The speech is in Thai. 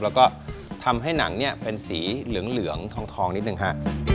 แล้วก็ทำให้หนังเนี่ยเป็นสีเหลืองทองนิดนึงฮะ